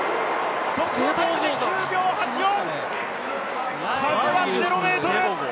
速報タイム９秒８４、風は０メートル。